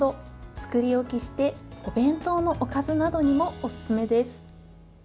作り置きして、お弁当のおかずなどにもおすすめです。